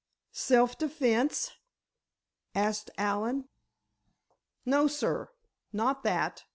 "Self defence?" asked Allen. "No, sir, not that.